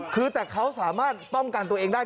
คือแต่เขาสามารถป้องกันตัวเองได้